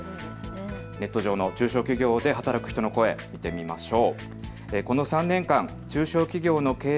ネット上、中小企業で働く人の声見てみましょう。